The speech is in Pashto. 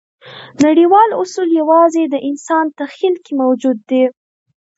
نړیوال اصول یواځې د انسان تخیل کې موجود دي.